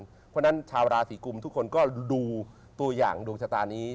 เพราะฉะนั้นชาวราศีกุมทุกคนก็ดูตัวอย่างดวงชะตานี้